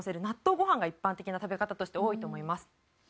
納豆ご飯が一般的な食べ方として多いと思います。